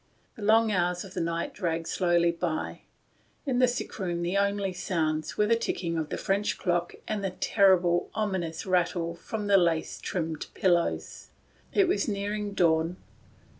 The long hours of the night dragged slowly on. In the sick room the only sounds were the ticking of the French clock and the ter rible ominous rattle from the lace trimmed pillows. It was nearing dawn.